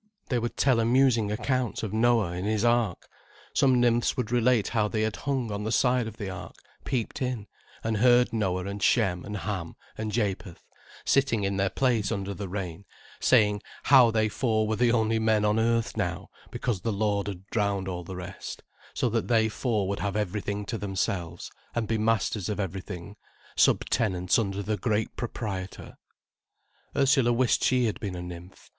They would tell amusing accounts of Noah in his ark. Some nymphs would relate how they had hung on the side of the ark, peeped in, and heard Noah and Shem and Ham and Japeth, sitting in their place under the rain, saying, how they four were the only men on earth now, because the Lord had drowned all the rest, so that they four would have everything to themselves, and be masters of every thing, sub tenants under the great Proprietor. Ursula wished she had been a nymph.